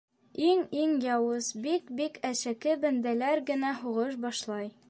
Иң-иң яуыз, бик-бик әшәке бәндәләр генә һуғыш башлай.